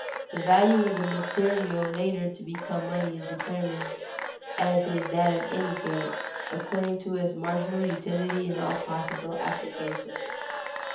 The value of the material later to become money is determined, as is that of any good, according to its marginal utility in all possible applications.